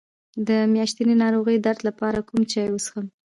د میاشتنۍ ناروغۍ درد لپاره کوم چای وڅښم؟